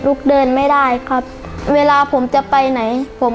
เดินไม่ได้ครับเวลาผมจะไปไหนผม